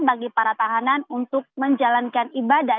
bagi para tahanan untuk menjalankan ibadah